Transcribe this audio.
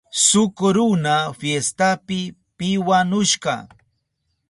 Shuk runa fiestapi piwanushka.